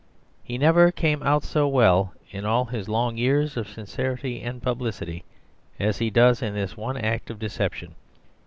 He never came out so well in all his long years of sincerity and publicity as he does in this one act of deception.